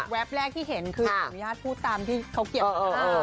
แวบแรกที่เห็นคือสมยาธิ์พูดตามที่เขาเก็บ